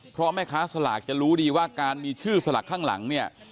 เพราะแม่ค้าสลากจะรู้ดีว่าการมีชื่อสลากข้างหลังเนี่ย